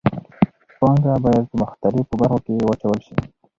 پانګه باید په مختلفو برخو کې واچول شي.